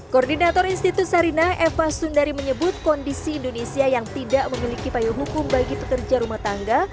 koordinator institut sarinah eva sundari menyebut kondisi indonesia yang tidak memiliki payung hukum bagi pekerja rumah tangga